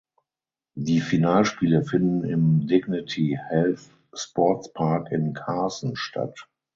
Die Finalspiele finden im Dignity Health Sports Park in Carson statt.